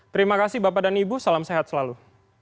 terima kasih bapak dan ibu salam sehat selalu